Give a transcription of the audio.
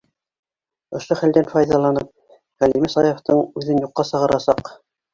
Ошо хәлдән файҙаланып, Ғәлимә Саяфтың үҙен юҡҡа сығарасаҡ.